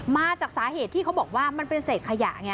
มาจากสาเหตุที่เขาบอกว่ามันเป็นเศษขยะไง